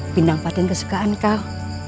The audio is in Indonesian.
bindang patin kesukaan kau